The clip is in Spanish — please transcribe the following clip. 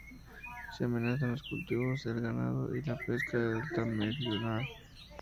Se amenazan los cultivos, el ganado y la pesca del delta meridional.